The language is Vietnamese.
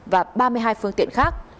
và ba mươi hai phương tiện khác